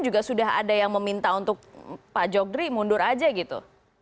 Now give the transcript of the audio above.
juga sudah ada yang meminta untuk pak jokdri mundur aja gitu